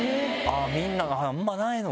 みんなあんまないのか。